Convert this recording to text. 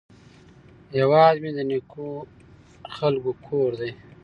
هیواد مې د نیکو خلکو کور دی